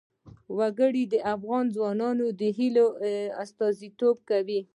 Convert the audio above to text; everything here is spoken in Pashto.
وګړي د افغان ځوانانو د هیلو استازیتوب کوي.